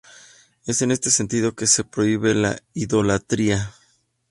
Es en este sentido que se prohíbe la idolatría.